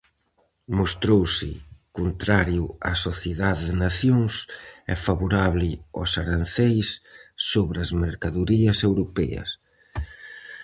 Mostrouse contrario á Sociedade de Nacións e favorable aos aranceis sobre as mercadorías europeas.